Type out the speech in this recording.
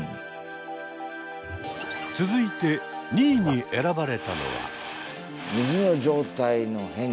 続いて２位に選ばれたのは。